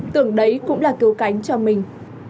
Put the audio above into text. tưởng đấy cũng là cứu cánh cho mình